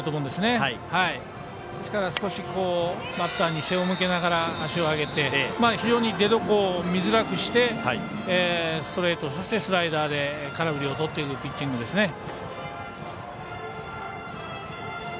ですから、少しバッターに背を向けながら、足を上げて非常に出どころを見づらくしてストレート、そしてスライダーで空振りをとっていくピッチングですね。